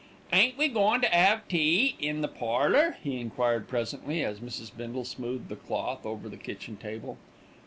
"Ain't we goin' to 'ave tea in the parlour?" he enquired presently, as Mrs. Bindle smoothed the cloth over the kitchen table.